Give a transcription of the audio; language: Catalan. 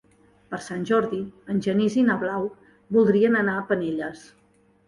Per Sant Jordi en Genís i na Blau voldrien anar a Penelles.